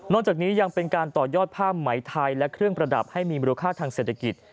จากนี้ยังเป็นการต่อยอดผ้าไหมไทยและเครื่องประดับให้มีมูลค่าทางเศรษฐกิจ